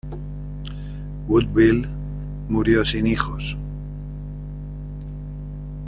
Woodville murió sin hijos.